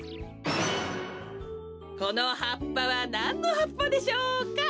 このはっぱはなんのはっぱでしょうか？